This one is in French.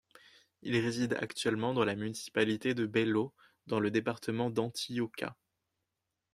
Il réside actuellement dans la municipalité de Bello, dans le département d'Antioquia.